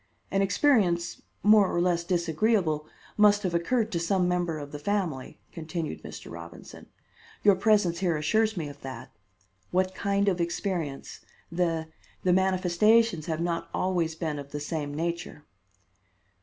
An experience, more or less disagreeable, must have occurred to some member of the family," continued Mr. Robinson. "Your presence here assures me of that. What kind of experience? The manifestations have not always been of the same nature."